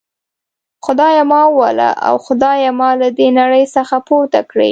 خدایه ما ووله او خدایه ما له دي نړۍ څخه پورته کړي.